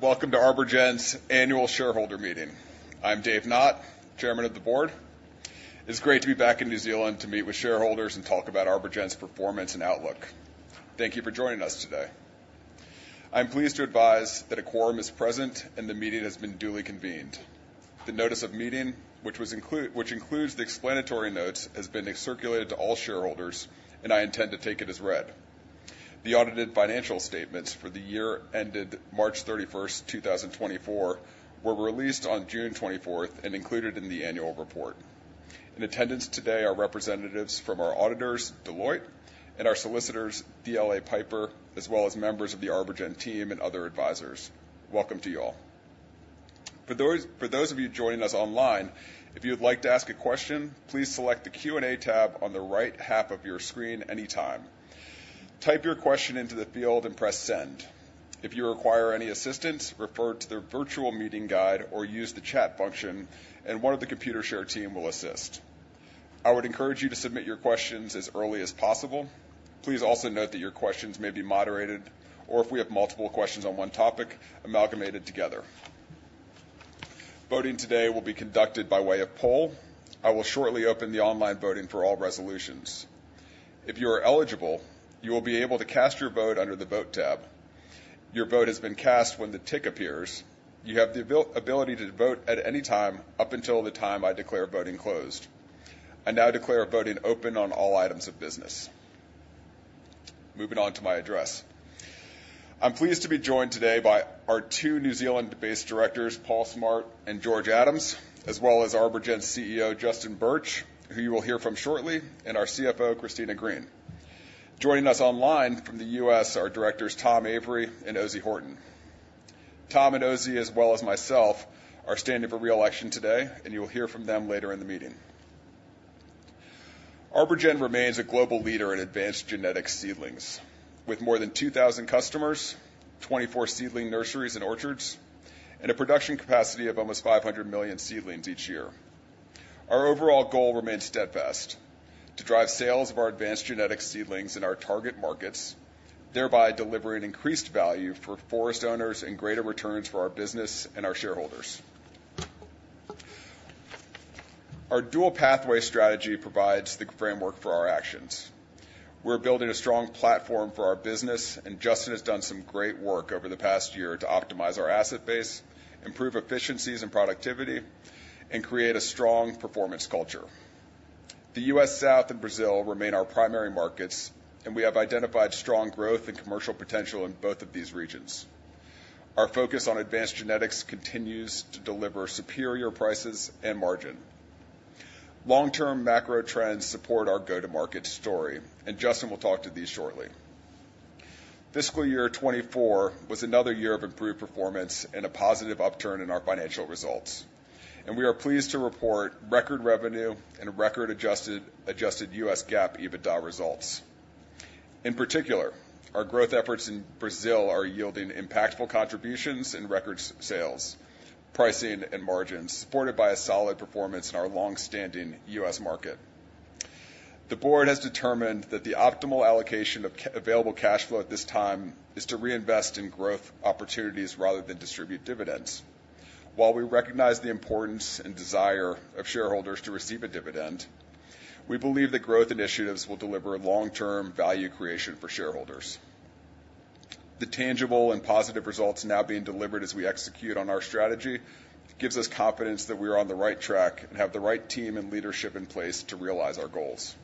...Welcome to ArborGen's Annual Shareholder Meeting. I'm Dave Knott, Chairman of the Board. It's great to be back in New Zealand to meet with shareholders and talk about ArborGen's performance and outlook. Thank you for joining us today. I'm pleased to advise that a quorum is present, and the meeting has been duly convened. The notice of meeting, which includes the explanatory notes, has been circulated to all shareholders, and I intend to take it as read. The audited financial statements for the year ended March thirty-first, two thousand and twenty-four, were released on June twenty-fourth and included in the annual report. In attendance today are representatives from our auditors, Deloitte, and our solicitors, DLA Piper, as well as members of the ArborGen team and other advisors. Welcome to you all. For those of you joining us online, if you'd like to ask a question, please select the Q&A tab on the right half of your screen anytime. Type your question into the field and press Send. If you require any assistance, refer to the virtual meeting guide or use the chat function, and one of the Computershare team will assist. I would encourage you to submit your questions as early as possible. Please also note that your questions may be moderated, or if we have multiple questions on one topic, amalgamated together. Voting today will be conducted by way of poll. I will shortly open the online voting for all resolutions. If you are eligible, you will be able to cast your vote under the Vote tab. Your vote has been cast when the tick appears. You have the ability to vote at any time, up until the time I declare voting closed. I now declare voting open on all items of business. Moving on to my address. I'm pleased to be joined today by our two New Zealand-based directors, Paul Smart and George Adams, as well as ArborGen's CEO, Justin Birch, who you will hear from shortly, and our CFO, Christina Green. Joining us online from the US are directors Tom Avery and Ozey Horton. Tom and Ozey, as well as myself, are standing for reelection today, and you will hear from them later in the meeting. ArborGen remains a global leader in advanced genetic seedlings, with more than two thousand customers, twenty-four seedling nurseries and orchards, and a production capacity of almost five hundred million seedlings each year. Our overall goal remains steadfast: to drive sales of our advanced genetic seedlings in our target markets, thereby delivering increased value for forest owners and greater returns for our business and our shareholders. Our dual pathway strategy provides the framework for our actions. We're building a strong platform for our business, and Justin has done some great work over the past year to optimize our asset base, improve efficiencies and productivity, and create a strong performance culture. The US South and Brazil remain our primary markets, and we have identified strong growth and commercial potential in both of these regions. Our focus on advanced genetics continues to deliver superior prices and margin. Long-term macro trends support our go-to-market story, and Justin will talk to these shortly. Fiscal year 2024 was another year of improved performance and a positive upturn in our financial results, and we are pleased to report record revenue and record adjusted U.S. GAAP EBITDA results. In particular, our growth efforts in Brazil are yielding impactful contributions in record sales, pricing, and margins, supported by a solid performance in our long-standing U.S. market. The board has determined that the optimal allocation of available cash flow at this time is to reinvest in growth opportunities rather than distribute dividends. While we recognize the importance and desire of shareholders to receive a dividend, we believe that growth initiatives will deliver long-term value creation for shareholders. The tangible and positive results now being delivered as we execute on our strategy, gives us confidence that we are on the right track and have the right team and leadership in place to realize our goals.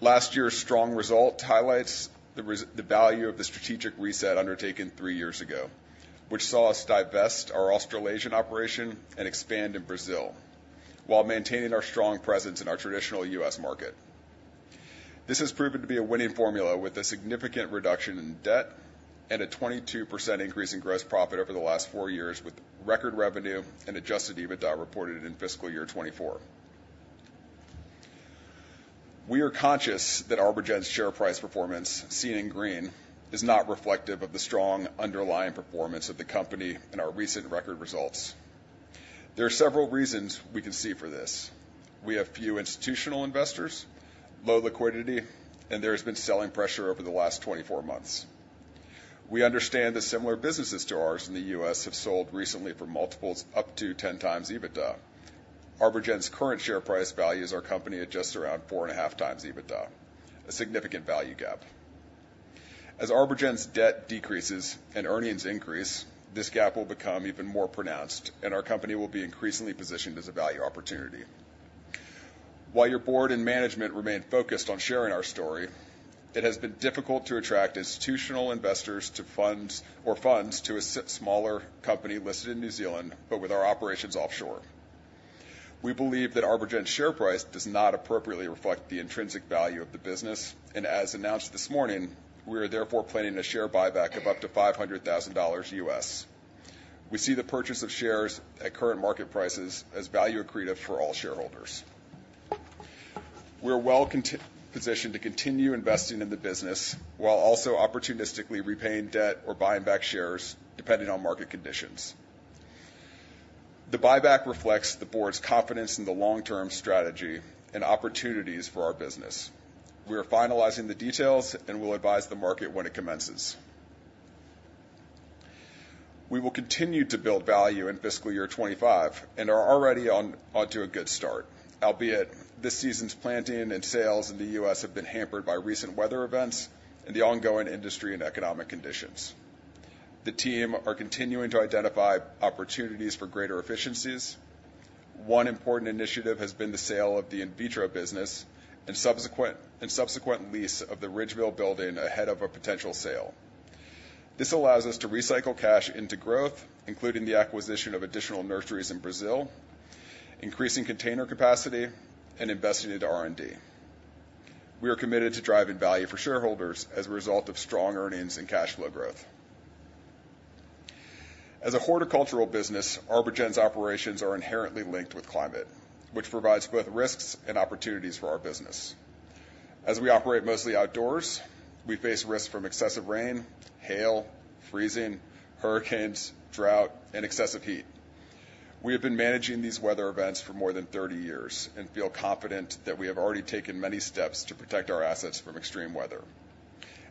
Last year's strong result highlights the value of the strategic reset undertaken three years ago, which saw us divest our Australasian operation and expand in Brazil while maintaining our strong presence in our traditional U.S. market. This has proven to be a winning formula, with a significant reduction in debt and a 22% increase in gross profit over the last four years, with record revenue and adjusted EBITDA reported in fiscal year 2024. We are conscious that ArborGen's share price performance, seen in green, is not reflective of the strong underlying performance of the company and our recent record results. There are several reasons we can see for this. We have few institutional investors, low liquidity, and there has been selling pressure over the last 24 months. We understand that similar businesses to ours in the U.S. have sold recently for multiples up to ten times EBITDA. ArborGen's current share price values our company at just around four and a half times EBITDA, a significant value gap. As ArborGen's debt decreases and earnings increase, this gap will become even more pronounced, and our company will be increasingly positioned as a value opportunity. While your board and management remain focused on sharing our story, it has been difficult to attract institutional investors to funds or funds to a smaller company listed in New Zealand, but with our operations offshore. We believe that ArborGen's share price does not appropriately reflect the intrinsic value of the business, and as announced this morning, we are therefore planning a share buyback of up to $500,000. We see the purchase of shares at current market prices as value accretive for all shareholders. We are well positioned to continue investing in the business while also opportunistically repaying debt or buying back shares, depending on market conditions. The buyback reflects the board's confidence in the long-term strategy and opportunities for our business. We are finalizing the details, and we'll advise the market when it commences. We will continue to build value in fiscal year twenty-five, and are already onto a good start, albeit this season's planting and sales in the U.S. have been hampered by recent weather events and the ongoing industry and economic conditions. The team are continuing to identify opportunities for greater efficiencies. One important initiative has been the sale of the in vitro business and subsequent lease of the Ridgeville building ahead of a potential sale. This allows us to recycle cash into growth, including the acquisition of additional nurseries in Brazil, increasing container capacity, and investing into R&D. We are committed to driving value for shareholders as a result of strong earnings and cash flow growth. As a horticultural business, ArborGen's operations are inherently linked with climate, which provides both risks and opportunities for our business. As we operate mostly outdoors, we face risks from excessive rain, hail, freezing, hurricanes, drought, and excessive heat. We have been managing these weather events for more than 30 years and feel confident that we have already taken many steps to protect our assets from extreme weather.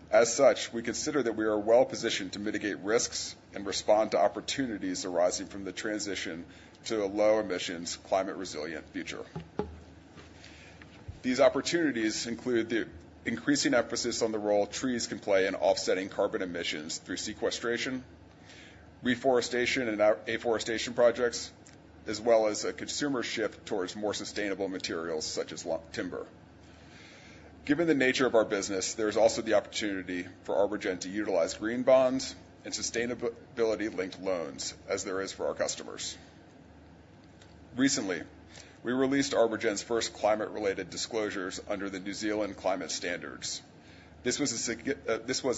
As such, we consider that we are well-positioned to mitigate risks and respond to opportunities arising from the transition to a low-emissions, climate-resilient future. These opportunities include the increasing emphasis on the role trees can play in offsetting carbon emissions through sequestration, reforestation, and afforestation projects, as well as a consumer shift towards more sustainable materials, such as timber. Given the nature of our business, there's also the opportunity for ArborGen to utilize green bonds and sustainability-linked loans, as there is for our customers. Recently, we released ArborGen's first climate-related disclosures under the New Zealand Climate Standards. This was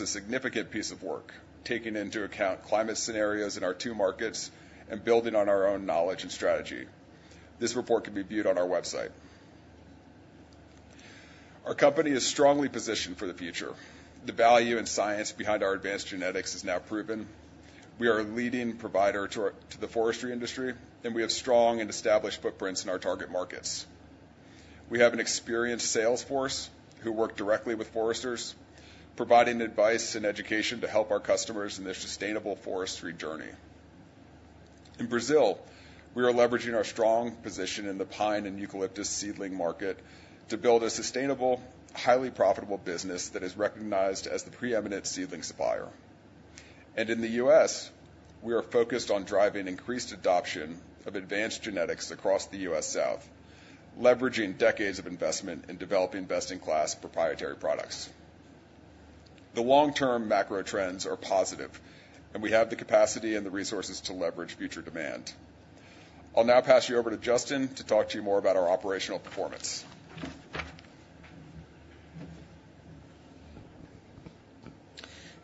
a significant piece of work, taking into account climate scenarios in our two markets and building on our own knowledge and strategy. This report can be viewed on our website. Our company is strongly positioned for the future. The value and science behind our advanced genetics is now proven. We are a leading provider to the forestry industry, and we have strong and established footprints in our target markets. We have an experienced sales force who work directly with foresters, providing advice and education to help our customers in their sustainable forestry journey. In Brazil, we are leveraging our strong position in the pine and eucalyptus seedling market to build a sustainable, highly profitable business that is recognized as the preeminent seedling supplier. And in the U.S., we are focused on driving increased adoption of advanced genetics across the U.S. South, leveraging decades of investment in developing best-in-class proprietary products. The long-term macro trends are positive, and we have the capacity and the resources to leverage future demand. I'll now pass you over to Justin to talk to you more about our operational performance.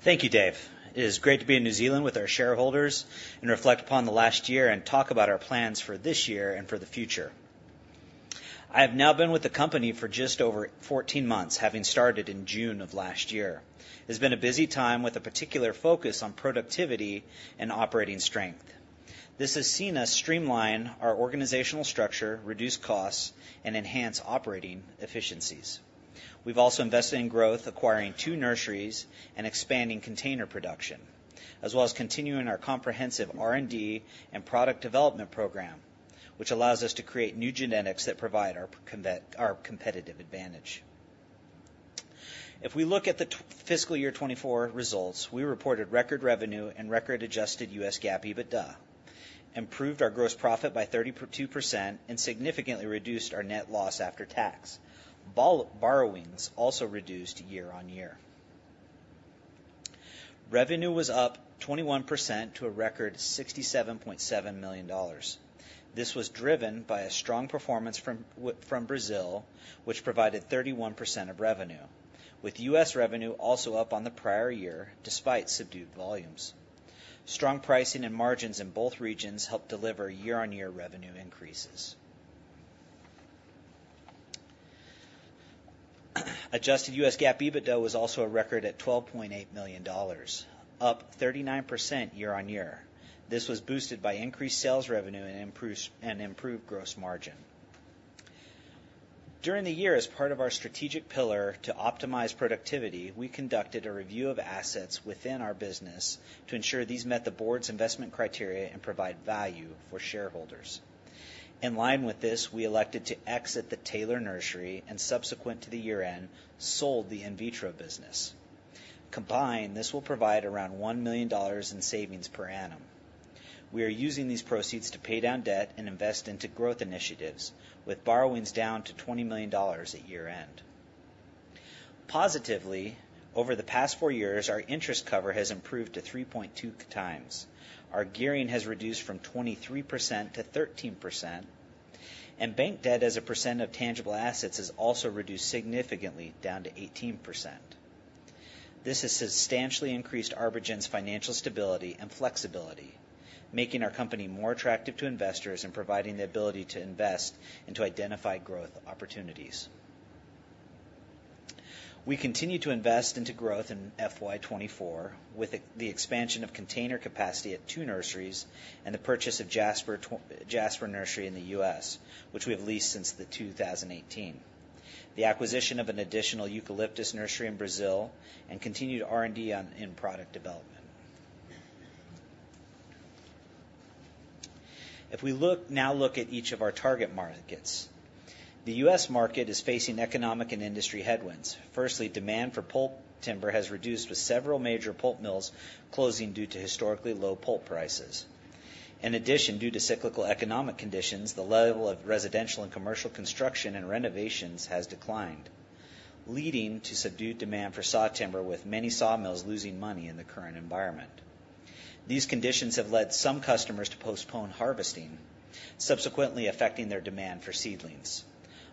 Thank you, Dave. It is great to be in New Zealand with our shareholders and reflect upon the last year and talk about our plans for this year and for the future. I have now been with the company for just over fourteen months, having started in June of last year. It's been a busy time with a particular focus on productivity and operating strength. This has seen us streamline our organizational structure, reduce costs, and enhance operating efficiencies. We've also invested in growth, acquiring two nurseries and expanding container production, as well as continuing our comprehensive R&D and product development program, which allows us to create new genetics that provide our competitive advantage. If we look at the fiscal year twenty-four results, we reported record revenue and record adjusted U.S. GAAP EBITDA, improved our gross profit by 32%, and significantly reduced our net loss after tax. Borrowings also reduced year on year. Revenue was up 21% to a record $67.7 million. This was driven by a strong performance from Brazil, which provided 31% of revenue, with U.S. revenue also up on the prior year, despite subdued volumes. Strong pricing and margins in both regions helped deliver year-on-year revenue increases. Adjusted U.S. GAAP EBITDA was also a record at $12.8 million, up 39% year on year. This was boosted by increased sales revenue and improved gross margin. During the year, as part of our strategic pillar to optimize productivity, we conducted a review of assets within our business to ensure these met the board's investment criteria and provide value for shareholders. In line with this, we elected to exit the Taylor Nursery and, subsequent to the year-end, sold the in vitro business. Combined, this will provide around $1 million in savings per annum. We are using these proceeds to pay down debt and invest into growth initiatives, with borrowings down to $20 million at year-end. Positively, over the past four years, our interest cover has improved to 3.2 times. Our gearing has reduced from 23% to 13%, and bank debt as a percent of tangible assets has also reduced significantly down to 18%. This has substantially increased ArborGen's financial stability and flexibility, making our company more attractive to investors and providing the ability to invest into identified growth opportunities. We continue to invest into growth in FY 2024, with the expansion of container capacity at two nurseries and the purchase of Jasper Nursery in the US, which we have leased since 2018. The acquisition of an additional eucalyptus nursery in Brazil, and continued R&D in product development. If we now look at each of our target markets, the U.S. market is facing economic and industry headwinds. Firstly, demand for pulp timber has reduced, with several major pulp mills closing due to historically low pulp prices. In addition, due to cyclical economic conditions, the level of residential and commercial construction and renovations has declined, leading to subdued demand for sawtimber, with many sawmills losing money in the current environment. These conditions have led some customers to postpone harvesting, subsequently affecting their demand for seedlings.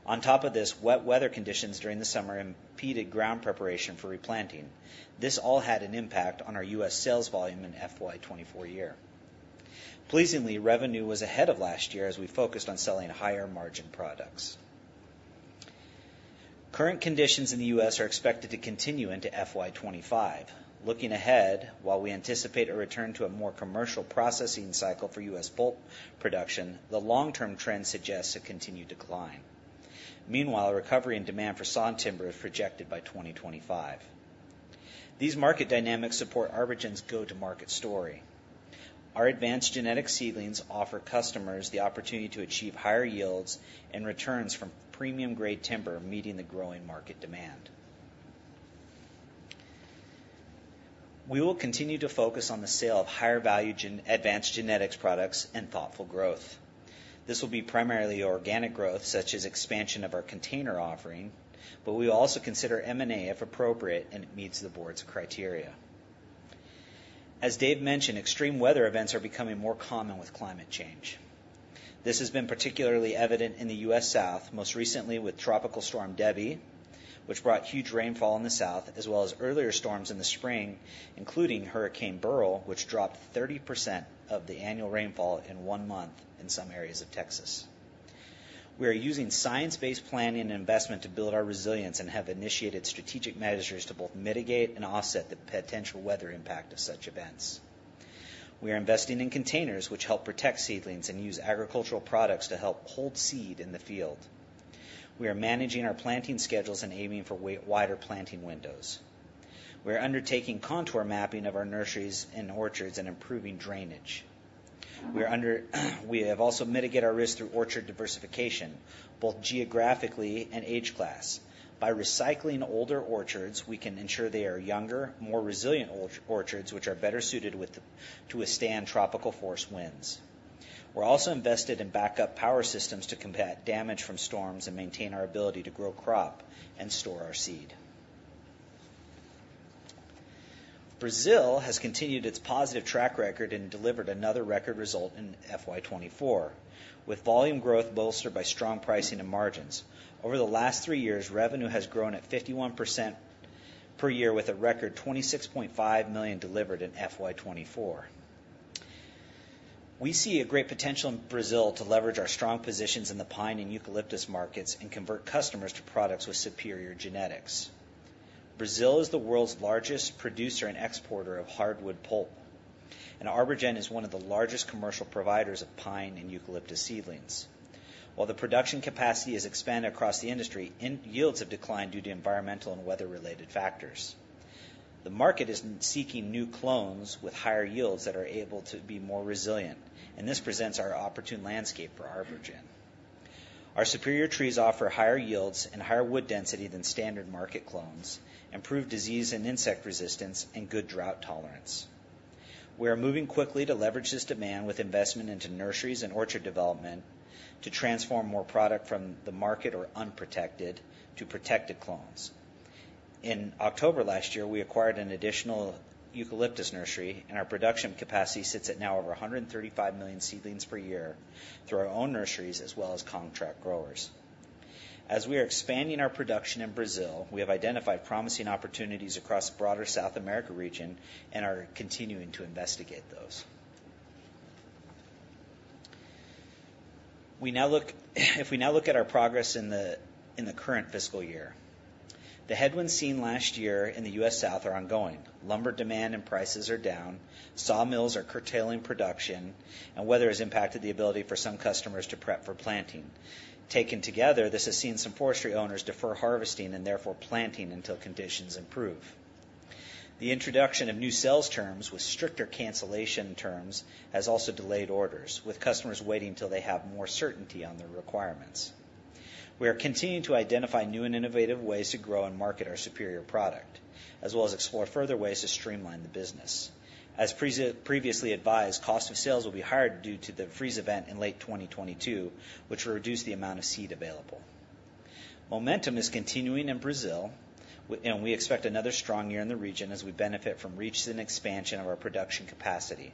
On top of this, wet weather conditions during the summer impeded ground preparation for replanting. This all had an impact on our U.S. sales volume in FY twenty-four year. Pleasingly, revenue was ahead of last year as we focused on selling higher-margin products. Current conditions in the U.S. are expected to continue into FY twenty-five. Looking ahead, while we anticipate a return to a more commercial processing cycle for U.S. pulp production, the long-term trend suggests a continued decline. Meanwhile, a recovery in demand for sawtimber is projected by twenty twenty-five. These market dynamics support ArborGen's go-to-market story. Our advanced genetic seedlings offer customers the opportunity to achieve higher yields and returns from premium-grade timber, meeting the growing market demand. We will continue to focus on the sale of higher-value advanced genetics products and thoughtful growth. This will be primarily organic growth, such as expansion of our container offering, but we also consider M&A, if appropriate, and it meets the board's criteria. As Dave mentioned, extreme weather events are becoming more common with climate change. This has been particularly evident in the US South, most recently with Tropical Storm Debby, which brought huge rainfall in the South, as well as earlier storms in the spring, including Hurricane Beryl, which dropped 30% of the annual rainfall in one month in some areas of Texas. We are using science-based planning and investment to build our resilience and have initiated strategic measures to both mitigate and offset the potential weather impact of such events. We are investing in containers, which help protect seedlings, and use agricultural products to help hold seed in the field. We are managing our planting schedules and aiming for wider planting windows. We are undertaking contour mapping of our nurseries and orchards and improving drainage. We have also mitigated our risk through orchard diversification, both geographically and age class. By recycling older orchards, we can ensure they are younger, more resilient orchards, which are better suited to withstand tropical force winds. We're also invested in backup power systems to combat damage from storms and maintain our ability to grow crop and store our seed. Brazil has continued its positive track record and delivered another record result in FY 2024, with volume growth bolstered by strong pricing and margins. Over the last three years, revenue has grown at 51% per year, with a record $26.5 million delivered in FY 2024. We see a great potential in Brazil to leverage our strong positions in the pine and eucalyptus markets and convert customers to products with superior genetics. Brazil is the world's largest producer and exporter of hardwood pulp, and ArborGen is one of the largest commercial providers of pine and eucalyptus seedlings. While the production capacity has expanded across the industry, yields have declined due to environmental and weather-related factors. The market is seeking new clones with higher yields that are able to be more resilient, and this presents our opportune landscape for ArborGen. Our superior trees offer higher yields and higher wood density than standard market clones, improved disease and insect resistance, and good drought tolerance. We are moving quickly to leverage this demand with investment into nurseries and orchard development to transform more product from the market or unprotected to protected clones. In October last year, we acquired an additional eucalyptus nursery, and our production capacity sits at now over 135 million seedlings per year through our own nurseries as well as contract growers. As we are expanding our production in Brazil, we have identified promising opportunities across the broader South America region and are continuing to investigate those. If we now look at our progress in the current fiscal year, the headwinds seen last year in the US South are ongoing. Lumber demand and prices are down, sawmills are curtailing production, and weather has impacted the ability for some customers to prep for planting. Taken together, this has seen some forestry owners defer harvesting and therefore planting until conditions improve. The introduction of new sales terms with stricter cancellation terms has also delayed orders, with customers waiting until they have more certainty on their requirements. We are continuing to identify new and innovative ways to grow and market our superior product, as well as explore further ways to streamline the business. As previously advised, cost of sales will be higher due to the freeze event in late 2022, which will reduce the amount of seed available. Momentum is continuing in Brazil, and we expect another strong year in the region as we benefit from reach and expansion of our production capacity.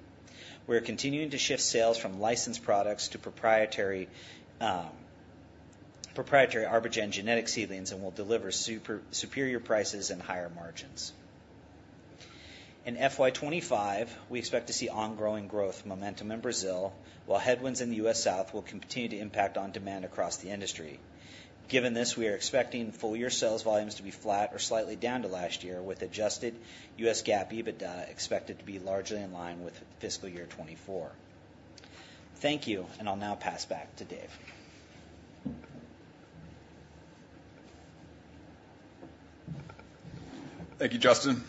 We are continuing to shift sales from licensed products to proprietary ArborGen genetic seedlings and will deliver superior prices and higher margins.... In FY 2025, we expect to see ongoing growth momentum in Brazil, while headwinds in the US South will continue to impact on demand across the industry. Given this, we are expecting full year sales volumes to be flat or slightly down to last year, with adjusted US GAAP EBITDA expected to be largely in line with fiscal year 2024. Thank you, and I'll now pass back to Dave. Thank you, Justin.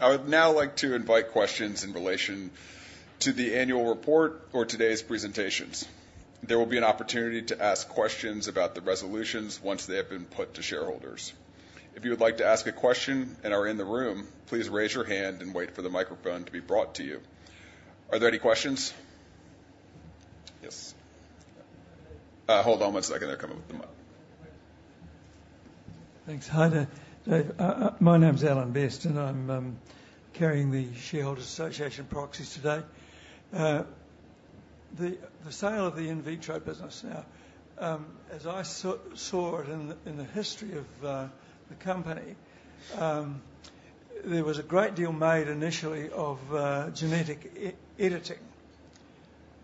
I would now like to invite questions in relation to the annual report or today's presentations. There will be an opportunity to ask questions about the resolutions once they have been put to shareholders. If you would like to ask a question and are in the room, please raise your hand and wait for the microphone to be brought to you. Are there any questions? Yes. Hold on one second. They're coming with the mic. Thanks. Hi there. My name is Alan Best, and I'm carrying the Shareholders Association proxies today. The sale of the in vitro business now, as I saw it in the history of the company, there was a great deal made initially of genetic editing,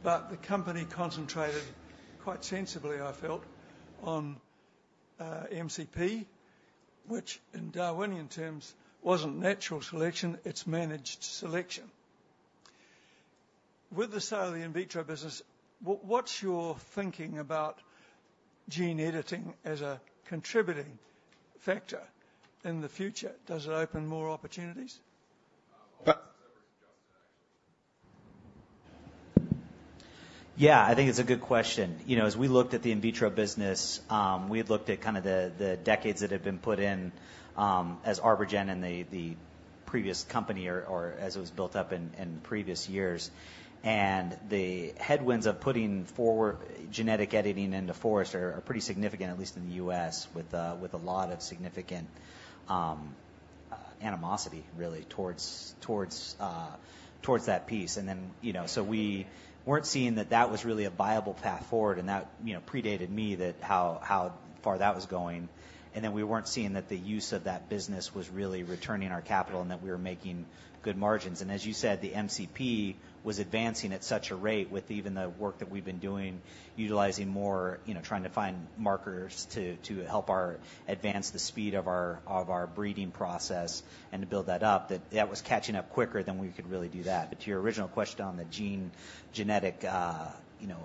but the company concentrated, quite sensibly, I felt, on MCP, which in Darwinian terms, wasn't natural selection, it's managed selection. With the sale of the in vitro business, what's your thinking about gene editing as a contributing factor in the future? Does it open more opportunities? Uh- Yeah, I think it's a good question. You know, as we looked at the in vitro business, we had looked at kind of the decades that had been put in as ArborGen and the previous company or as it was built up in the previous years. And the headwinds of putting forward genetic editing into forest are pretty significant, at least in the U.S., with a lot of significant animosity really towards that piece. And then, you know, so we weren't seeing that that was really a viable path forward, and that, you know, predated me, that how far that was going. And then we weren't seeing that the use of that business was really returning our capital and that we were making good margins. As you said, the MCP was advancing at such a rate with even the work that we've been doing, utilizing more, you know, trying to find markers to help our advance the speed of our breeding process and to build that up, that was catching up quicker than we could really do that. But to your original question on the genetic, you know,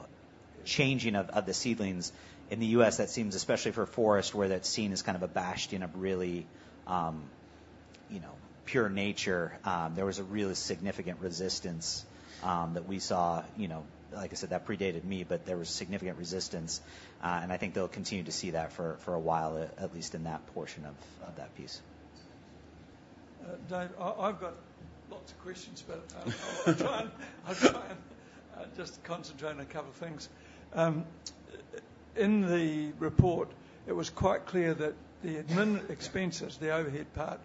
changing of the seedlings, in the U.S., that seems, especially for forest, where that's seen as kind of a bastion of really, you know, pure nature, there was a really significant resistance that we saw. You know, like I said, that predated me, but there was significant resistance, and I think they'll continue to see that for a while, at least in that portion of that piece. Dave, I've got lots of questions, but I'll try and just concentrate on a couple of things. In the report, it was quite clear that the admin expenses, the overhead part,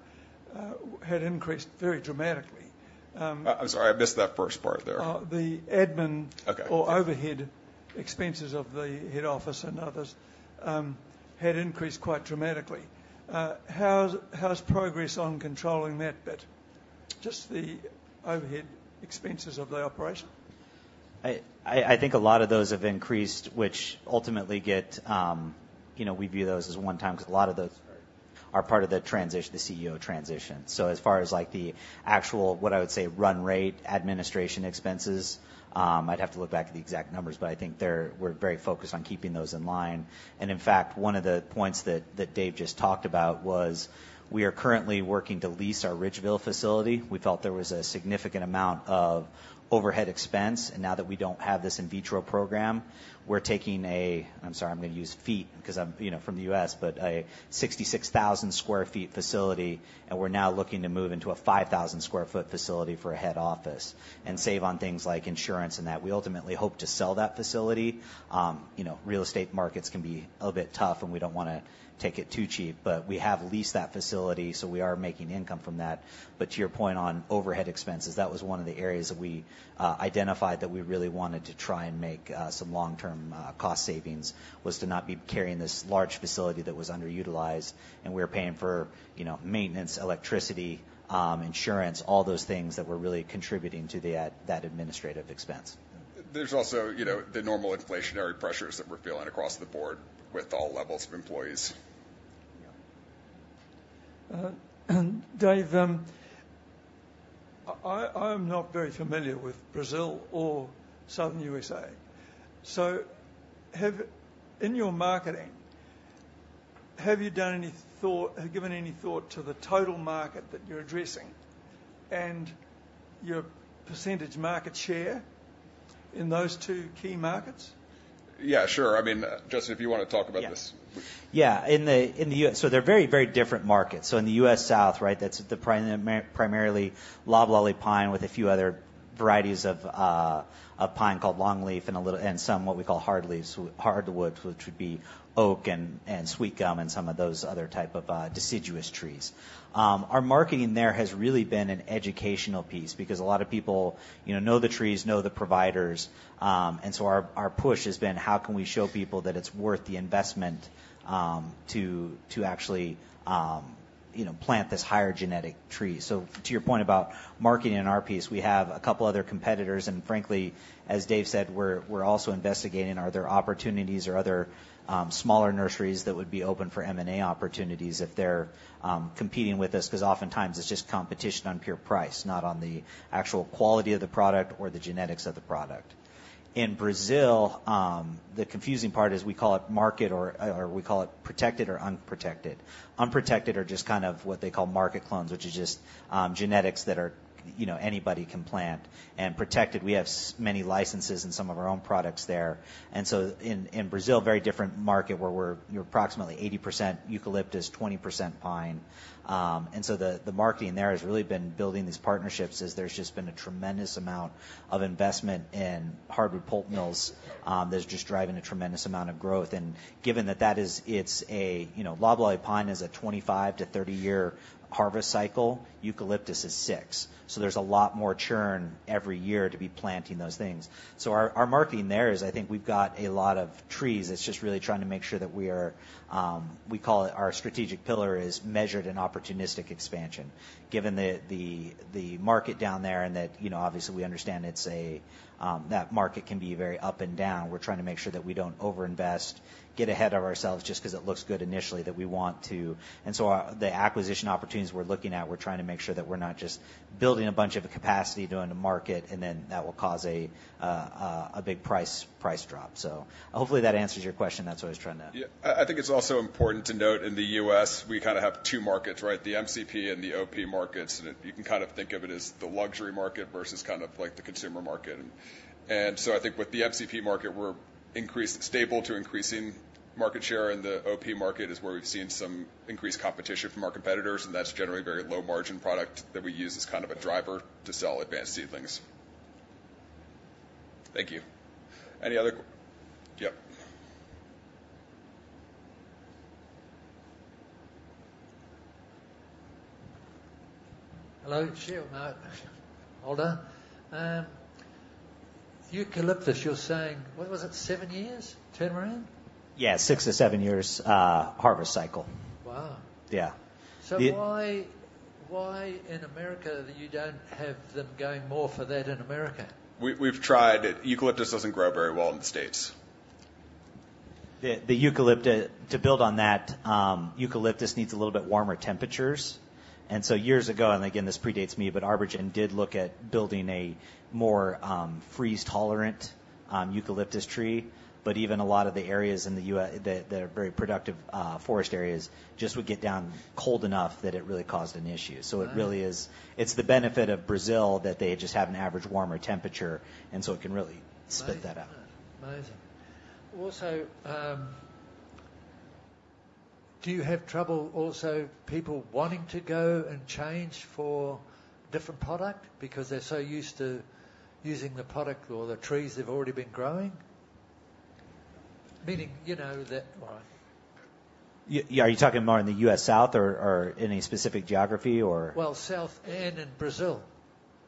had increased very dramatically. I'm sorry, I missed that first part there. Uh, the admin- Okay. or overhead expenses of the head office and others, had increased quite dramatically. How's progress on controlling that bit? Just the overhead expenses of the operation. I think a lot of those have increased, which ultimately... You know, we view those as one time because a lot of those are part of the transition, the CEO transition. So as far as, like, the actual, what I would say, run rate, administration expenses, I'd have to look back at the exact numbers, but I think they're. We're very focused on keeping those in line. And in fact, one of the points that Dave just talked about was, we are currently working to lease our Ridgeville facility. We felt there was a significant amount of overhead expense, and now that we don't have this in vitro program, we're taking a, I'm sorry, I'm going to use feet because I'm, you know, from the U.S., but a 66,000 sq ft facility, and we're now looking to move into a 5,000 sq ft facility for a head office and save on things like insurance and that. We ultimately hope to sell that facility. You know, real estate markets can be a little bit tough, and we don't wanna take it too cheap, but we have leased that facility, so we are making income from that. But to your point on overhead expenses, that was one of the areas that we identified that we really wanted to try and make some long-term cost savings: to not be carrying this large facility that was underutilized, and we were paying for, you know, maintenance, electricity, insurance, all those things that were really contributing to that administrative expense. There's also, you know, the normal inflationary pressures that we're feeling across the board with all levels of employees. Yeah. Dave, I'm not very familiar with Brazil or Southern USA, so in your marketing, have you given any thought to the total market that you're addressing and your percentage market share in those two key markets? Yeah, sure. I mean, Justin, if you want to talk about this. Yeah. In the US. So they're very, very different markets. So in the US South, right, that's primarily loblolly pine with a few other varieties of pine called longleaf and some what we call hard leaves, hardwoods, which would be oak and sweet gum, and some of those other type of deciduous trees. Our marketing there has really been an educational piece because a lot of people, you know, know the trees, know the providers, and so our push has been: How can we show people that it's worth the investment to actually buy you know, plant this higher genetic tree. So to your point about marketing in our piece, we have a couple other competitors, and frankly, as Dave said, we're also investigating, are there opportunities or other smaller nurseries that would be open for M&A opportunities if they're competing with us? Because oftentimes it's just competition on pure price, not on the actual quality of the product or the genetics of the product. In Brazil, the confusing part is we call it market, or we call it protected or unprotected. Unprotected are just kind of what they call market clones, which is just genetics that are, you know, anybody can plant. And protected, we have several licenses in some of our own products there. And so in Brazil, very different market, where we are approximately 80% eucalyptus, 20% pine. And so the marketing there has really been building these partnerships as there's just been a tremendous amount of investment in hardwood pulp mills, that's just driving a tremendous amount of growth. And given that is, it's a, you know, Loblolly pine is a 25-30-year harvest cycle. Eucalyptus is six, so there's a lot more churn every year to be planting those things. So our marketing there is I think we've got a lot of trees. It's just really trying to make sure that we are, we call it. Our strategic pillar is measured and opportunistic expansion. Given the market down there, and that, you know, obviously, we understand it's a, that market can be very up and down. We're trying to make sure that we don't overinvest, get ahead of ourselves, just because it looks good initially, that we want to. And so the acquisition opportunities we're looking at, we're trying to make sure that we're not just building a bunch of capacity to own the market, and then that will cause a big price drop. So hopefully, that answers your question. That's what I was trying to- Yeah. I think it's also important to note, in the US, we kind of have two markets, right? The MCP and the OP markets, and it, you can kind of think of it as the luxury market versus kind of like the consumer market. And so I think with the MCP market, we're stable to increasing market share, and the OP market is where we've seen some increased competition from our competitors, and that's generally a very low-margin product that we use as kind of a driver to sell advanced seedlings. Thank you. Any other que... Yep. Hello, it's you, not Holden. Eucalyptus, you're saying... What was it, seven years turn around? Yeah, six to seven years, harvest cycle. Wow! Yeah. So why, why in America you don't have them going more for that in America? We've tried. Eucalyptus doesn't grow very well in the States. To build on that, eucalyptus needs a little bit warmer temperatures. So years ago, and again, this predates me, but ArborGen did look at building a more freeze-tolerant eucalyptus tree. But even a lot of the areas in the US that are very productive forest areas just would get down cold enough that it really caused an issue. Right. It's the benefit of Brazil that they just have an average warmer temperature, and so it can really spit that out. Amazing. Also, do you have trouble also people wanting to go and change for different product because they're so used to using the product or the trees they've already been growing? Meaning, you know, that... All right. Yeah, are you talking more in the U.S. South or, or any specific geography or? South and in Brazil,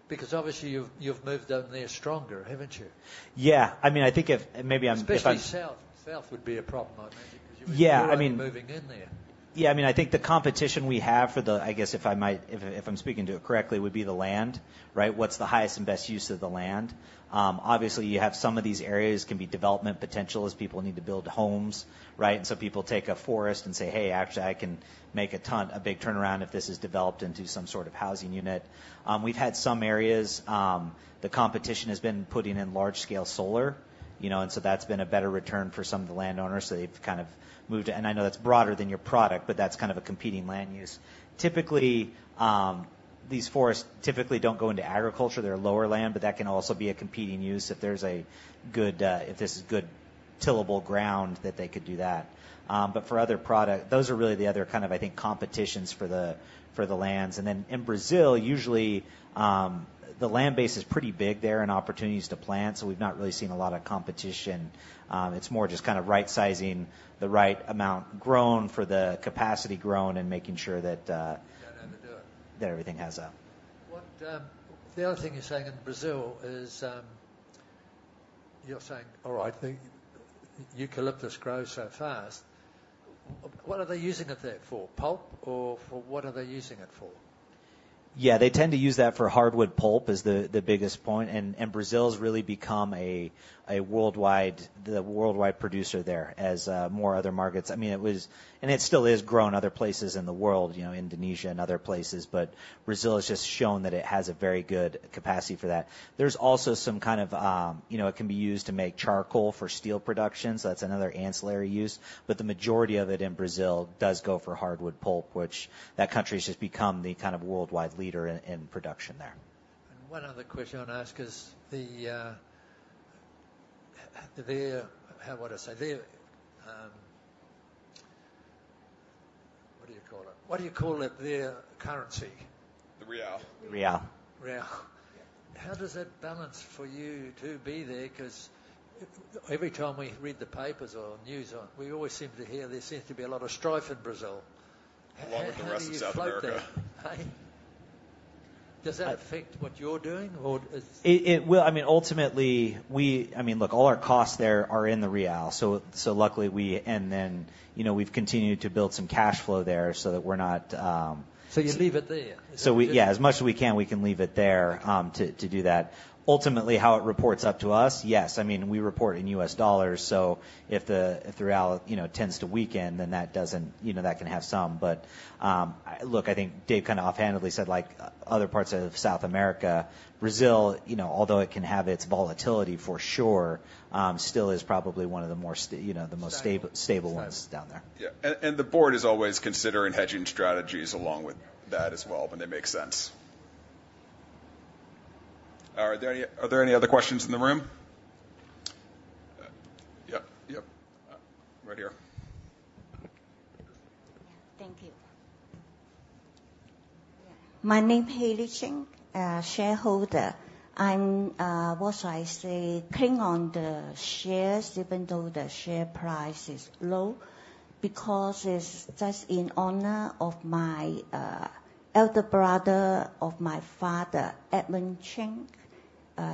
because obviously, you've moved them there stronger, haven't you? Yeah, I mean, I think if, maybe I'm- Especially South. South would be a problem, I imagine, because- Yeah, I mean- You're only moving in there. Yeah, I mean, I think the competition we have for the... I guess, if I might, if I'm speaking to it correctly, would be the land, right? What's the highest and best use of the land? Obviously, you have some of these areas can be development potential as people need to build homes, right? And so people take a forest and say: Hey, actually, I can make a ton, a big turnaround if this is developed into some sort of housing unit. We've had some areas, the competition has been putting in large-scale solar, you know, and so that's been a better return for some of the landowners, so they've kind of moved to... And I know that's broader than your product, but that's kind of a competing land use. Typically, these forests typically don't go into agriculture. They're lower land, but that can also be a competing use if there's a good, if there's good tillable ground, that they could do that. But for other product, those are really the other kind of, I think, competitions for the, for the lands. And then in Brazil, usually, the land base is pretty big there and opportunities to plant, so we've not really seen a lot of competition. It's more just kind of right-sizing the right amount grown for the capacity grown and making sure that, You don't overdo it. that everything has a... The other thing you're saying in Brazil is, all right, the eucalyptus grows so fast. What are they using it there for? Pulp or for? What are they using it for? Yeah, they tend to use that for hardwood pulp, is the biggest point. Brazil's really become a worldwide, the worldwide producer there as more other markets. I mean, it was, and it still is growing other places in the world, you know, Indonesia and other places, but Brazil has just shown that it has a very good capacity for that. There's also some kind of, you know, it can be used to make charcoal for steel production, so that's another ancillary use. But the majority of it in Brazil does go for hardwood pulp, which that country's just become the kind of worldwide leader in production there. And one other question I want to ask is the, how do I say? The, what do you call it? What do you call it, their currency? The real. Real. Real. Yeah. How does that balance for you to be there? Because every time we read the papers or news on, we always seem to hear there seems to be a lot of strife in Brazil. Along with the rest of South America.... Does that affect what you're doing or is- It will. I mean, ultimately, we, I mean, look, all our costs there are in the real. So luckily, we, and then, you know, we've continued to build some cash flow there so that we're not. So you leave it there? Yeah, as much as we can, we can leave it there to do that. Ultimately, how it reports up to us, yes. I mean, we report in U.S. dollars, so if the real, you know, tends to weaken, then that doesn't, you know, that can have some. But, look, I think Dave kind of offhandedly said, like, other parts of South America, Brazil, you know, although it can have its volatility for sure, still is probably one of the more stable, you know, the most stable ones down there. Yeah. The board is always considering hedging strategies along with that as well, when they make sense. Are there any other questions in the room? Yep. Right here. Thank you. My name Haley Ching, shareholder. I'm, what should I say? Hang on the shares, even though the share price is low, because it's just in honor of my elder brother, of my father, Edmund Ching.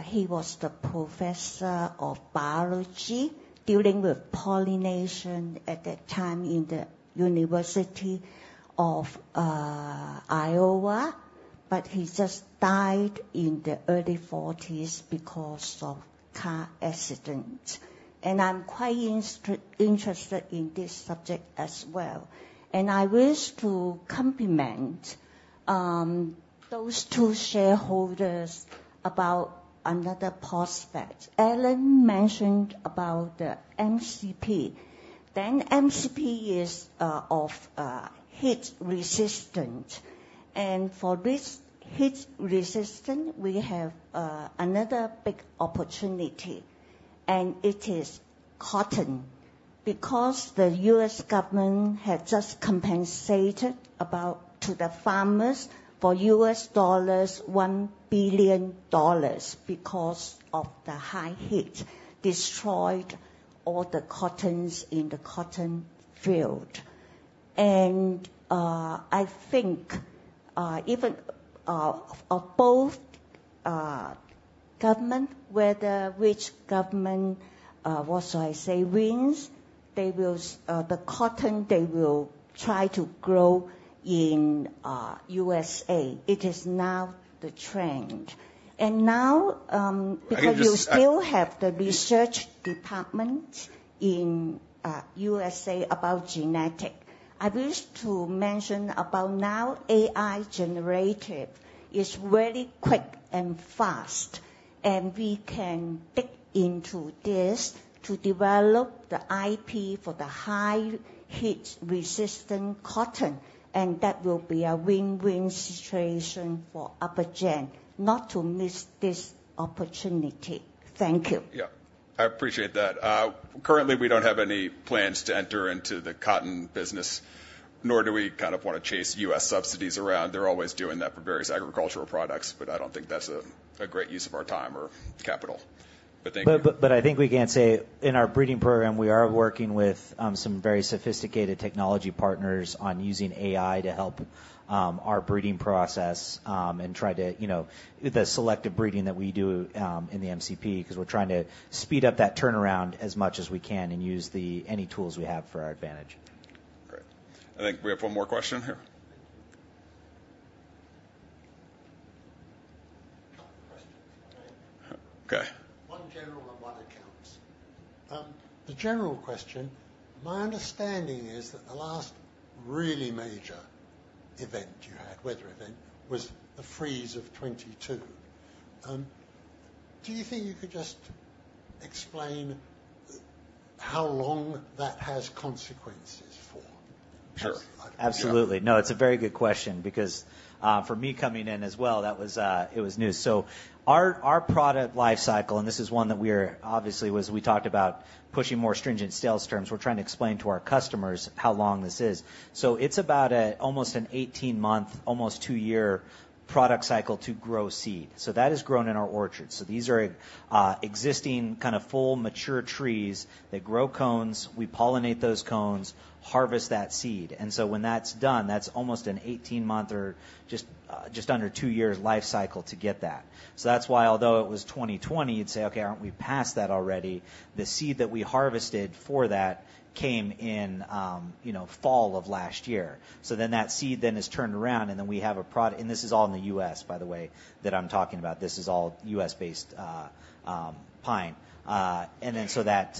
He was the professor of biology, dealing with pollination at that time in the University of Iowa. But he just died in the early forties because of car accident. And I'm quite interested in this subject as well, and I wish to compliment those two shareholders about another prospect. Alan mentioned about the MCP. Then MCP is of heat resistant, and for this heat resistant, we have another big opportunity, and it is cotton. Because the U.S. government have just compensated about to the farmers for $1 billion because of the high heat, destroyed all the cottons in the cotton field. And I think even of both government, whether which government, what should I say, wins, they will the cotton, they will try to grow in USA. It is now the trend. And now I would just- Because you still have the research department in USA about genetics. I wish to mention about now, generative AI is very quick and fast, and we can dig into this to develop the IP for the high heat-resistant cotton, and that will be a win-win situation for ArborGen, not to miss this opportunity. Thank you. Yeah, I appreciate that. Currently, we don't have any plans to enter into the cotton business, nor do we kind of want to chase U.S. subsidies around. They're always doing that for various agricultural products, but I don't think that's a great use of our time or capital. But thank you. But I think we can say in our breeding program, we are working with some very sophisticated technology partners on using AI to help our breeding process, and try to, you know, the selective breeding that we do in the MCP, because we're trying to speed up that turnaround as much as we can and use any tools we have for our advantage. Great. I think we have one more question here. Question. Okay. One general and one accounts. The general question: My understanding is that the last really major event you had, weather event, was the freeze of 2022. Do you think you could just explain how long that has consequences for? Sure. Absolutely. No, it's a very good question because for me, coming in as well, that was it was new. So our product life cycle, and this is one that we are obviously, as we talked about pushing more stringent sales terms. We're trying to explain to our customers how long this is. So it's about almost an eighteen-month, almost two-year product cycle to grow seed. So that is grown in our orchards. So these are existing kind of full, mature trees that grow cones. We pollinate those cones, harvest that seed, and so when that's done, that's almost an eighteen-month or just just under two years life cycle to get that. So that's why although it was 2020, you'd say, "Okay, aren't we past that already?" The seed that we harvested for that came in, you know, fall of last year. So then that seed then is turned around, and then we have. And this is all in the US, by the way, that I'm talking about. This is all US-based, pine. And then so that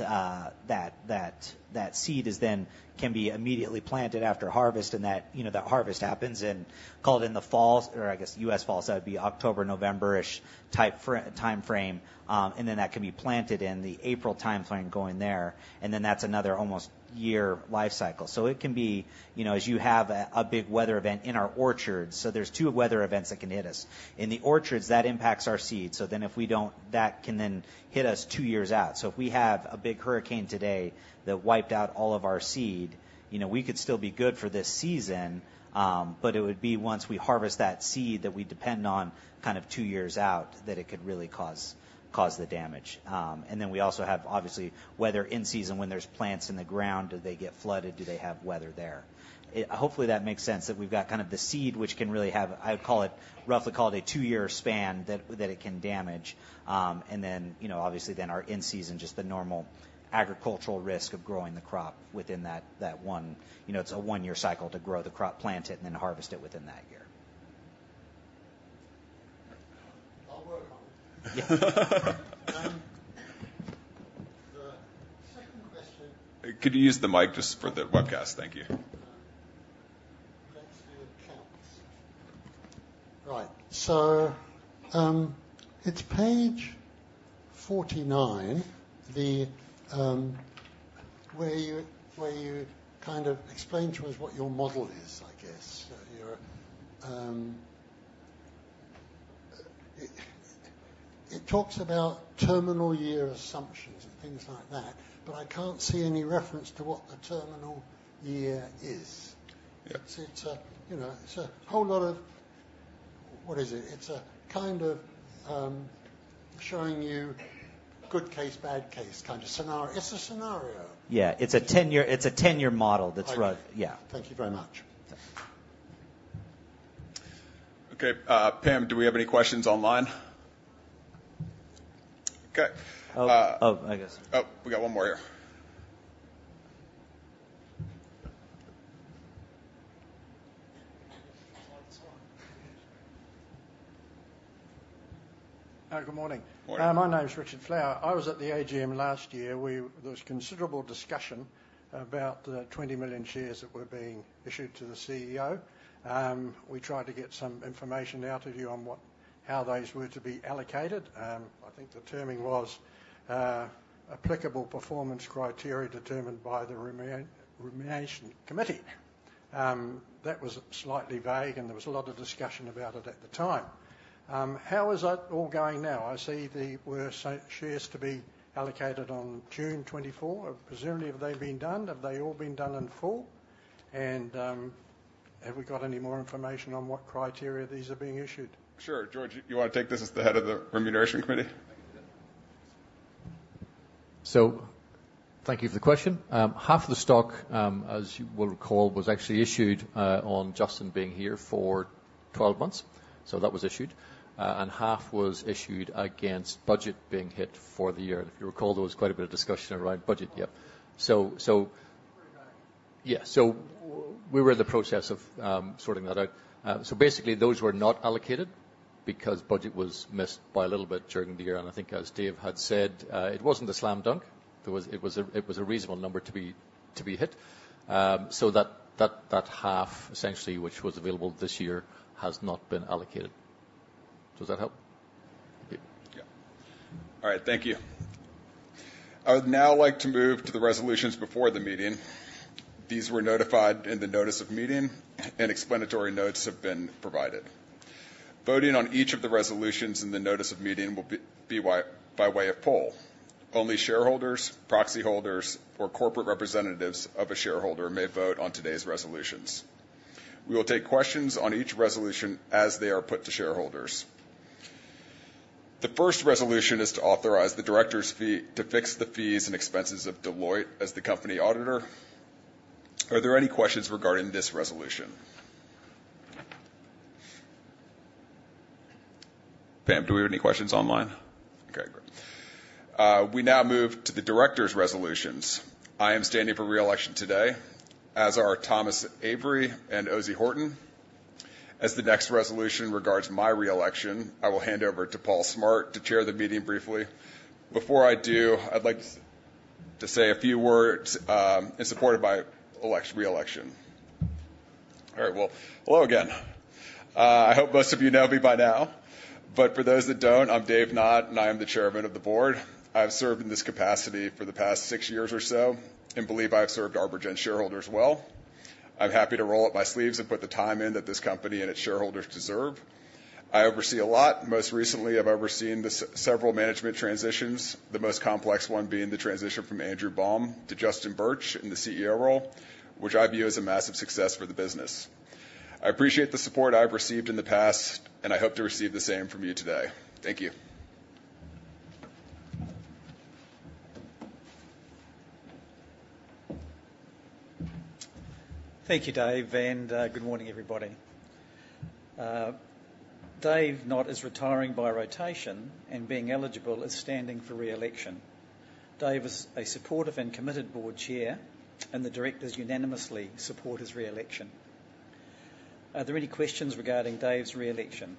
seed is then can be immediately planted after harvest, and that, you know, that harvest happens in, call it in the fall, or I guess US fall, so that'd be October, November-ish type timeframe. And then that can be planted in the April timeframe going there, and then that's another almost year life cycle. So it can be, you know, as you have a big weather event in our orchards. So there's two weather events that can hit us. In the orchards, that impacts our seeds, so then if we don't, that can then hit us two years out. So if we have a big hurricane today that wiped out all of our seed, you know, we could still be good for this season, but it would be once we harvest that seed that we depend on kind of two years out, that it could really cause the damage. And then we also have, obviously, weather in season, when there's plants in the ground, do they get flooded? Do they have weather there? Hopefully, that makes sense, that we've got kind of the seed, which can really have, I would call it, roughly call it a two-year span, that it can damage. And then, you know, obviously then our in-season, just the normal agricultural risk of growing the crop within that one. You know, it's a one-year cycle to grow the crop, plant it, and then harvest it within that year. ... I'll work on it. The second question- Could you use the mic just for the webcast? Thank you. Let's do accounts. Right. So, it's page forty-nine, the where you kind of explain to us what your model is, I guess. Your... It talks about terminal year assumptions and things like that, but I can't see any reference to what the terminal year is. Yeah. You know, it's a whole lot of... What is it? It's a kind of showing you good case, bad case kind of scenario. It's a scenario. Yeah, it's a ten-year model that's run. Okay. Yeah. Thank you very much. Okay, Pam, do we have any questions online? Okay, Oh, I guess. Oh, we got one more here. Good morning. Morning. My name is Richard Flower. I was at the AGM last year, where there was considerable discussion about the twenty million shares that were being issued to the CEO. We tried to get some information out of you on what, how those were to be allocated. I think the terming was applicable performance criteria determined by the Remuneration Committee. That was slightly vague, and there was a lot of discussion about it at the time. How is that all going now? I see there were some shares to be allocated on June twenty-fourth. Presumably, have they been done? Have they all been done in full? And have we got any more information on what criteria these are being issued? Sure. George, you want to take this as the head of the Remuneration Committee? Thank you for the question. Half the stock, as you will recall, was actually issued on Justin being here for 12 months, so that was issued. And half was issued against budget being hit for the year. And if you recall, there was quite a bit of discussion around budget. Yeah. So, so- Very nice. Yeah. So we were in the process of sorting that out. So basically, those were not allocated because budget was missed by a little bit during the year. And I think, as Dave had said, it wasn't a slam dunk. It was a reasonable number to be hit. So that half, essentially, which was available this year, has not been allocated. Does that help? Okay. Yeah. All right. Thank you. I would now like to move to the resolutions before the meeting. These were notified in the notice of meeting, and explanatory notes have been provided. Voting on each of the resolutions in the notice of meeting will be by way of poll. Only shareholders, proxy holders, or corporate representatives of a shareholder may vote on today's resolutions. We will take questions on each resolution as they are put to shareholders. The first resolution is to authorize the directors' fee, to fix the fees and expenses of Deloitte as the company auditor. Are there any questions regarding this resolution? Pam, do we have any questions online? Okay, great. We now move to the directors' resolutions. I am standing for re-election today, as are Tom Avery and Ozey Horton. As the next resolution regards my re-election, I will hand over to Paul Smart to chair the meeting briefly. Before I do, I'd like to say a few words in support of my re-election. All right, well, hello again. I hope most of you know me by now, but for those that don't, I'm Dave Knott, and I am the Chairman of the Board. I've served in this capacity for the past six years or so and believe I have served ArborGen shareholders well. I'm happy to roll up my sleeves and put the time in that this company and its shareholders deserve. I oversee a lot. Most recently, I've overseen several management transitions, the most complex one being the transition from Andrew Baum to Justin Birch in the CEO role, which I view as a massive success for the business. I appreciate the support I have received in the past, and I hope to receive the same from you today. Thank you. Thank you, Dave, and good morning, everybody. Dave Knott is retiring by rotation and being eligible, is standing for re-election. Dave is a supportive and committed board chair, and the directors unanimously support his re-election. Are there any questions regarding Dave's re-election?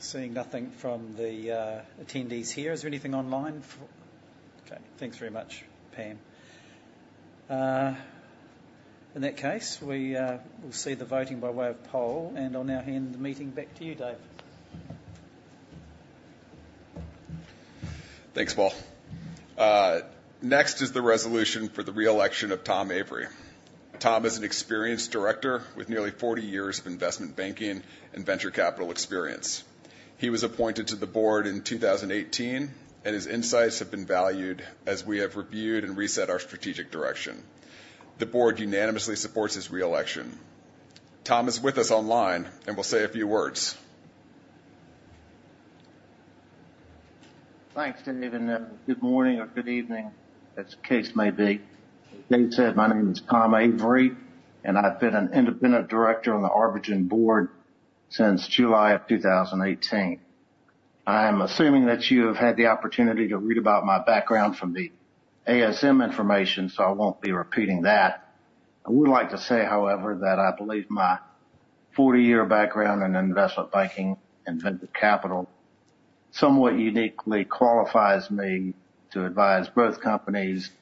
Seeing nothing from the attendees here. Is there anything online for... Okay, thanks very much, Pam. In that case, we will see the voting by way of poll, and I'll now hand the meeting back to you, Dave. Thanks, Paul. Next is the resolution for the re-election of Tom Avery. Tom is an experienced director with nearly forty years of investment banking and venture capital experience. He was appointed to the Board in 2018, and his insights have been valued as we have reviewed and reset our strategic direction. The Board unanimously supports his re-election. Tom is with us online and will say a few words. Thanks, Dave, and good morning or good evening, as the case may be. As Dave said, my name is Tom Avery, and I've been an independent director on the ArborGen board since July of two thousand and eighteen. I am assuming that you have had the opportunity to read about my background from the ASM information, so I won't be repeating that. I would like to say, however, that I believe my forty-year background in investment banking and venture capital somewhat uniquely qualifies me to advise growth companies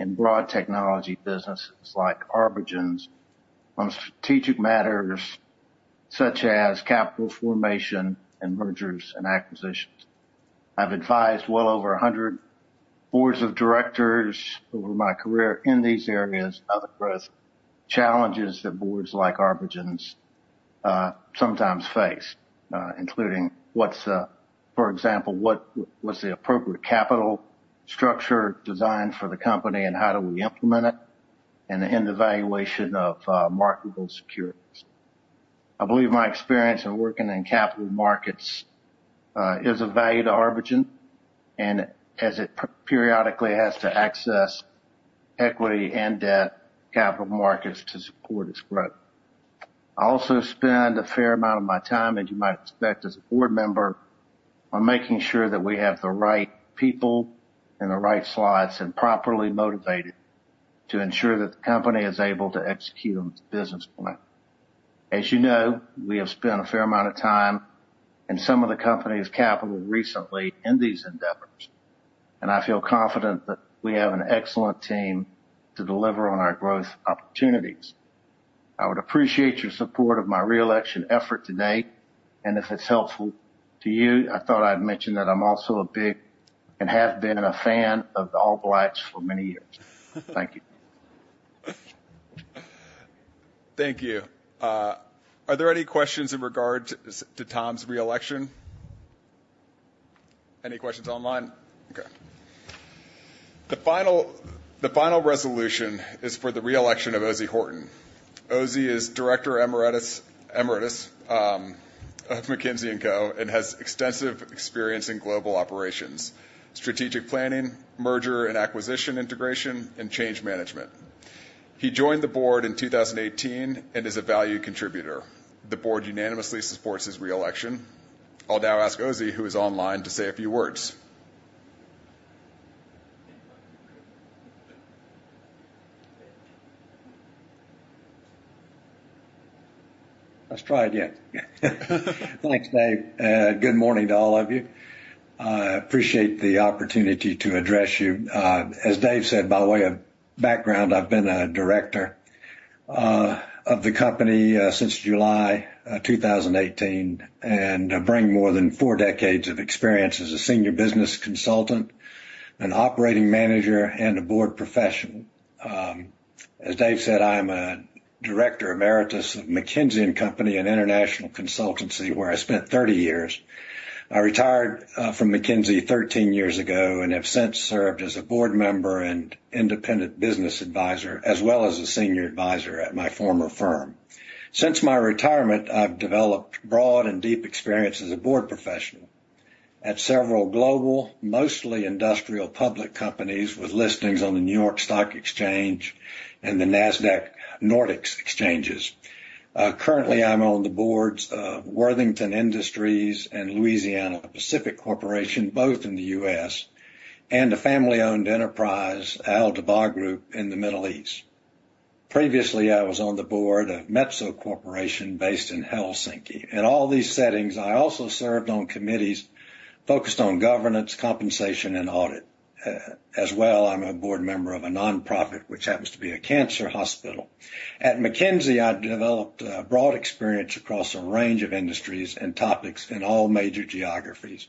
in broad technology businesses like ArborGen's on strategic matters such as capital formation and mergers and acquisitions. I've advised well over a hundred boards of directors over my career in these areas of the growth challenges that boards like ArborGen's sometimes face, including, for example, what's the appropriate capital structure design for the company and how do we implement it, and in the valuation of marketable securities. I believe my experience in working in capital markets is of value to ArborGen, and as it periodically has to access equity and debt capital markets to support its growth. I also spend a fair amount of my time, as you might expect, as a board member, on making sure that we have the right people in the right slots and properly motivated to ensure that the company is able to execute on its business plan. As you know, we have spent a fair amount of time and some of the company's capital recently in these endeavors, and I feel confident that we have an excellent team to deliver on our growth opportunities. I would appreciate your support of my reelection effort today, and if it's helpful to you, I thought I'd mention that I'm also a big, and have been, a fan of the All Blacks for many years. Thank you. Thank you. Are there any questions in regard to Tom's reelection? Any questions online? Okay. The final resolution is for the reelection of Ozey Horton. Ozey is Director Emeritus of McKinsey and Co, and has extensive experience in global operations, strategic planning, merger and acquisition integration, and change management. He joined the board in 2018, and is a value contributor. The board unanimously supports his reelection. I'll now ask Ozey, who is online, to say a few words. Let's try it again. Thanks, Dave. Good morning to all of you. I appreciate the opportunity to address you. As Dave said, by way of background, I've been a director of the company since July two thousand and eighteen, and I bring more than four decades of experience as a senior business consultant, an operating manager, and a board professional. As Dave said, I'm a director emeritus of McKinsey and Company, an international consultancy, where I spent thirty years. I retired from McKinsey thirteen years ago and have since served as a board member and independent business advisor, as well as a senior advisor at my former firm. Since my retirement, I've developed broad and deep experience as a board professional at several global, mostly industrial public companies, with listings on the New York Stock Exchange and the Nasdaq Nordic exchanges. Currently, I'm on the boards of Worthington Industries and Louisiana-Pacific Corporation, both in the U.S., and a family-owned enterprise, Al-Dabbagh Group, in the Middle East. Previously, I was on the board of Metsä Corporation, based in Helsinki. In all these settings, I also served on committees focused on governance, compensation, and audit. As well, I'm a board member of a nonprofit, which happens to be a cancer hospital. At McKinsey, I developed broad experience across a range of industries and topics in all major geographies.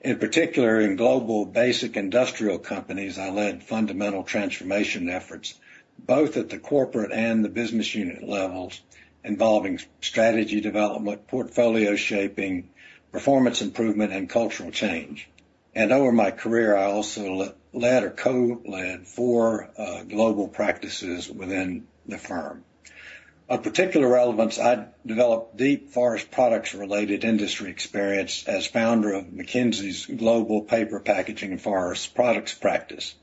In particular, in global basic industrial companies, I led fundamental transformation efforts, both at the corporate and the business unit levels, involving strategy development, portfolio shaping, performance improvement, and cultural change, and over my career, I also led or co-led four global practices within the firm. Of particular relevance, I developed deep forest products-related industry experience as founder of McKinsey's global paper packaging and forest products practice.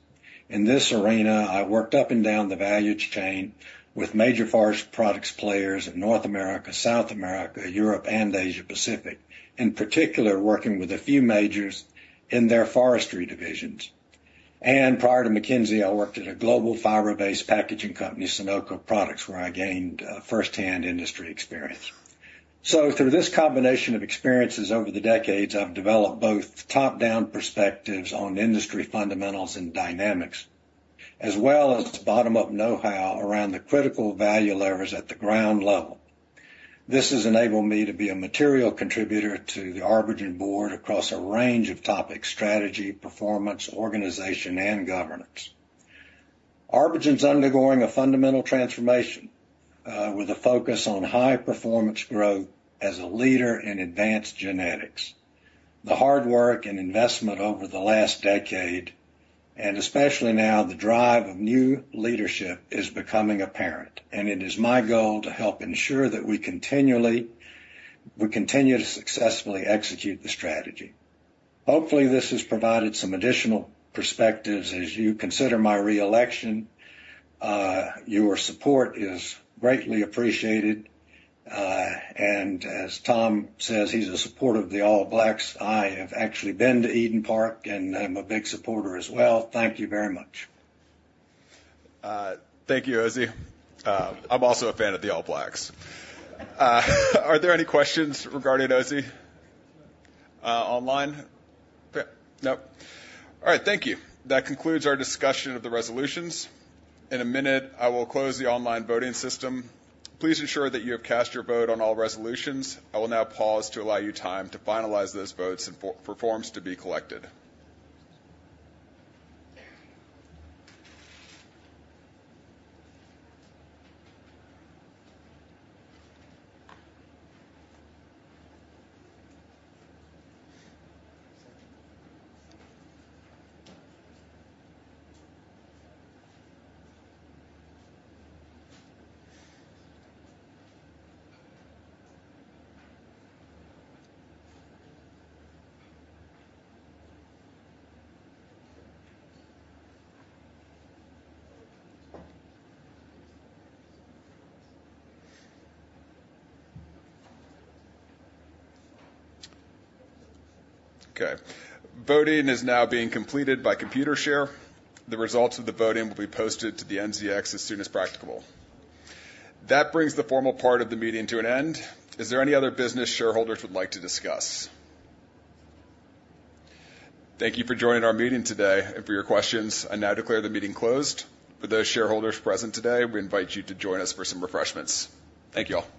In this arena, I worked up and down the value chain with major forest products players in North America, South America, Europe, and Asia Pacific, in particular working with a few majors in their forestry divisions, and prior to McKinsey, I worked at a global fiber-based packaging company, Sonoco Products, where I gained first-hand industry experience, so through this combination of experiences over the decades, I've developed both top-down perspectives on industry fundamentals and dynamics, as well as bottom-up know-how around the critical value levers at the ground level. This has enabled me to be a material contributor to the ArborGen Board across a range of topics: strategy, performance, organization, and governance. ArborGen's undergoing a fundamental transformation, with a focus on high-performance growth as a leader in advanced genetics. The hard work and investment over the last decade, and especially now, the drive of new leadership, is becoming apparent, and it is my goal to help ensure that we continue to successfully execute the strategy. Hopefully, this has provided some additional perspectives as you consider my reelection. Your support is greatly appreciated, and as Tom says, he's a supporter of the All Blacks. I have actually been to Eden Park, and I'm a big supporter as well. Thank you very much. Thank you, Ozey. I'm also a fan of the All Blacks. Are there any questions regarding Ozey online? Nope. All right. Thank you. That concludes our discussion of the resolutions. In a minute, I will close the online voting system. Please ensure that you have cast your vote on all resolutions. I will now pause to allow you time to finalize those votes and for forms to be collected. Okay. Voting is now being completed by Computershare. The results of the voting will be posted to the NZX as soon as practicable. That brings the formal part of the meeting to an end. Is there any other business shareholders would like to discuss? Thank you for joining our meeting today and for your questions. I now declare the meeting closed. For those shareholders present today, we invite you to join us for some refreshments. Thank you all.